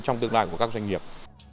trong tương lai của các doanh nghiệp